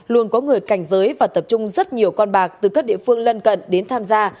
luôn có người cảnh giới và tập trung rất nhiều con bạc từ các địa phương lân cận đến tham gia